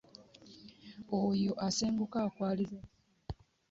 Oyo asenguka akwaliza bisulo .